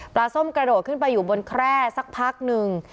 ส้มกระโดดขึ้นไปอยู่บนแคร่สักพักหนึ่ง